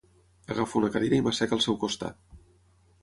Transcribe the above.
Agafo una cadira i m'assec al seu costat.